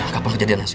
kapan kejadian nasib